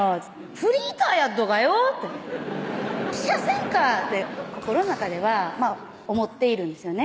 フリーターやっとがよってぴしゃせんかって心の中では思っているんですよね